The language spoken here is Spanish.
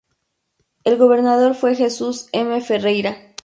El Gobernador fue Jesús M. Ferreira.